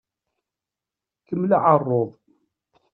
Kemmel aɛeṛṛuḍ!